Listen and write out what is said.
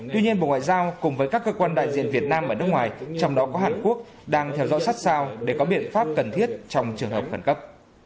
tuy nhiên bộ ngoại giao cùng với các cơ quan đại diện việt nam ở nước ngoài trong đó có hàn quốc đang theo dõi sát sao để có biện pháp cần thiết trong trường hợp khẩn cấp